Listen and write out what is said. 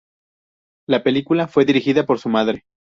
La película fue dirigida por su madre.